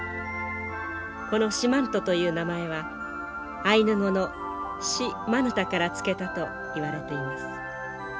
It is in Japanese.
この四万十という名前はアイヌ語の「シ・マヌタ」から付けたといわれています。